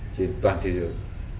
trên toàn thế giới